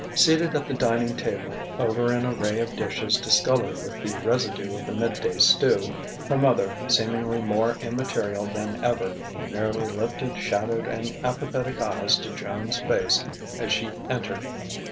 Seated at the dining table, over an array of dishes discoloured with the residue of the mid day stew, her mother, seemingly more immaterial than ever, merely lifted shadowed and apathetic eyes to Joan's face as she entered.